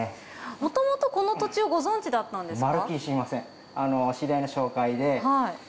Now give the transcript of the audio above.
もともとこの土地をご存じだったんですか？